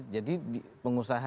jadi pengusaha ya